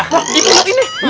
wah di belakang ini